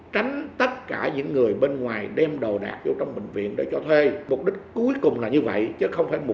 tránh tất cả những người bên ngoài đem đồ đạc vô trong bệnh viện để cho thuê